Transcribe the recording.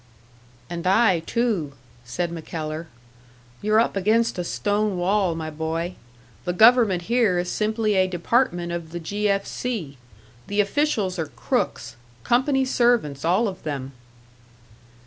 "And I, too," said MacKellar. "You're up against a stone wall, my boy. The government here is simply a department of the 'G. F. C.' The officials are crooks company servants, all of them."